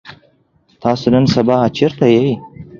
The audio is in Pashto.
تاسو نن سبا چرته يئ؟